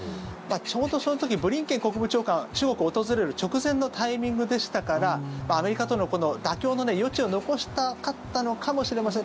ちょうど、その時ブリンケン国務長官中国を訪れる直前のタイミングでしたからアメリカとの、この妥協の余地を残したかったのかもしれません。